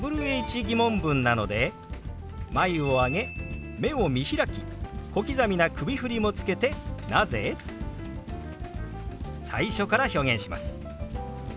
ー疑問文なので眉を上げ目を見開き小刻みな首振りもつけて「なぜ？」。最初から表現します。